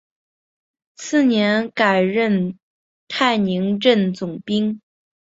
次年改任泰宁镇总兵。